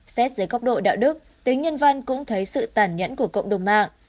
xét dưới góc độ đạo đức tính nhân văn cũng thấy sự tản nhẫn của cộng đồng mạng